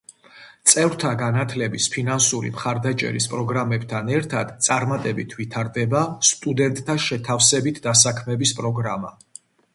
წევრთა განათლების ფინანსური მხარდაჭერის პროგრამებთან ერთად, წარმატებით ვითარდება სტუდენტთა შეთავსებით დასაქმების პროგრამა.